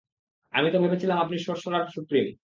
আমি তো ভেবেছিলাম, আপনি সরসরার সুপ্রিম।